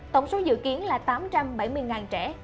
tổng số dự kiến là tám trăm bảy mươi trẻ